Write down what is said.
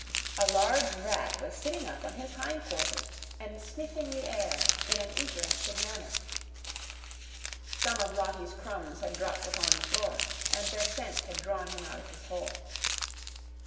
A large rat was sitting up on his hind quarters and sniffing the air in an interested manner. Some of Lottie's crumbs had dropped upon the floor and their scent had drawn him out of his hole.